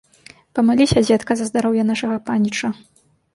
Памаліся, дзедка, за здароўе нашага паніча.